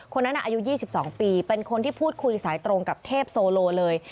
คนนั้นอายุ๒๒ปีเป็นคนที่พูดคุยสายตรงกับเทพโซโลเลย